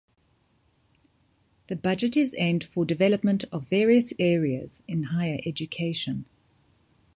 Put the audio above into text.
The budget is aimed for development of various areas in higher education.